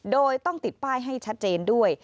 โดยต้องติดป้ายให้ชัดเจนด้วย